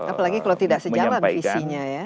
apalagi kalau tidak sejalan visinya ya